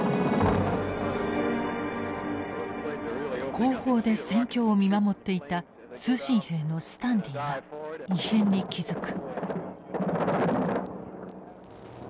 後方で戦況を見守っていた通信兵のスタンリーが異変に気付く。